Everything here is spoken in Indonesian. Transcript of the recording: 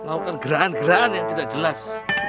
ngawakan geran geran yang tidak jelas